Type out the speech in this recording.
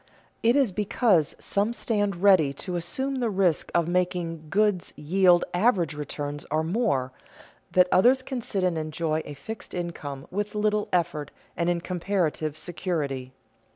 It is because some stand ready to assume the risk of making goods yield average returns or more, that others can sit and enjoy a fixed income with little effort and in comparative security.